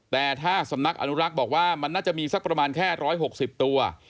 แต่ถ้าสำนักอนุรักษ์บอกว่ามันน่าจะมีสักประมาณแค่๑๖๐ตัว